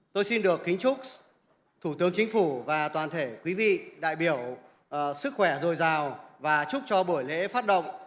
tôi xin được kính chúc thủ tướng chính phủ và toàn thể quý vị đại biểu sức khỏe dồi dào và chúc cho buổi lễ phát động